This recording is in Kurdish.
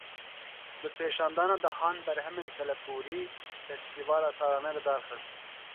Bi pêşandana dehan berhemên kelepûrî, festîvala salane li dar xist